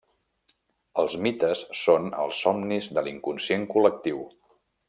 Els mites són els somnis de l'inconscient col·lectiu.